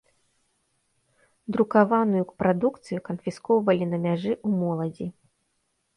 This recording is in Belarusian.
Друкаваную прадукцыю канфіскоўвалі на мяжы ў моладзі.